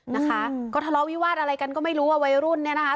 นะคะก็ทะเลาะวิวาสอะไรกันก็ไม่รู้ว่าวัยรุ่นเนี่ยนะคะ